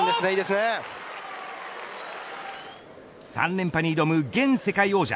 ３連覇に挑む現世界王者。